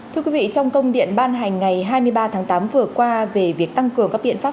thưa quý vị trong công điện ban hành ngày hai mươi ba tháng tám vừa qua về việc tăng cường các biện pháp